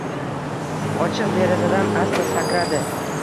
Ochiq derazadan asta sakradi.